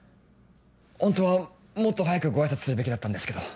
ホントはもっと早くご挨拶するべきだったんですけど。